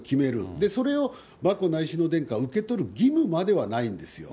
で、それを眞子内親王殿下が受け取る義務まではないんですよ。